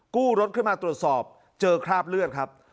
รถขึ้นมาตรวจสอบเจอคราบเลือดครับ